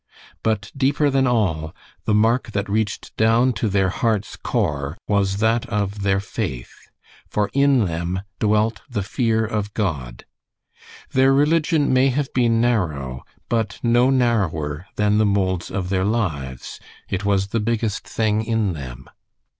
But deeper than all, the mark that reached down to their hearts' core was that of their faith, for in them dwelt the fear of God. Their religion may have been narrow, but no narrower than the moulds of their lives. It was the biggest thing in them.